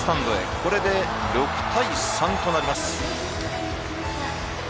これで６対３となります。